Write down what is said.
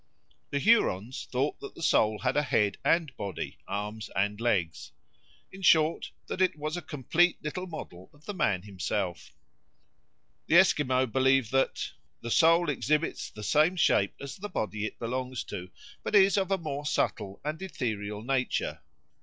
The Hurons thought that the soul had a head and body, arms and legs; in short, that it was a complete little model of the man himself. The Esquimaux believe that "the soul exhibits the same shape as the body it belongs to, but is of a more subtle and ethereal nature."